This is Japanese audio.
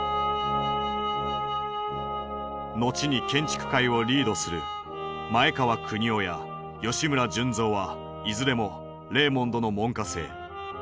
後に建築界をリードする前川國男や吉村順三はいずれもレーモンドの門下生。